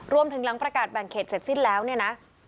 หลังประกาศแบ่งเขตเสร็จสิ้นแล้วเนี่ยนะ